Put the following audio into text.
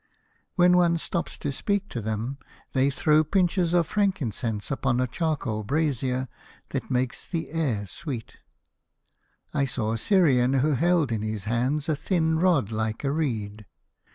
When one stops to speak to them, they throw pinches of frankincense upon a charcoal brazier and make the air sweet. I saw a Syrian who held in his hands a thin rod like a reed.